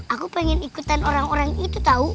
aku pengen ikutan orang orang itu tahu